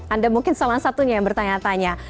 anda mungkin salah satunya yang bertanya tanya